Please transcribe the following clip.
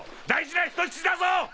大事な人質だぞ！